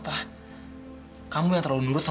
aku gak butuh dia